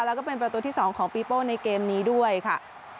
แล้วก็เป็นประตูที่๒ของปีโป้ในเกมนี้ด้วยค่ะ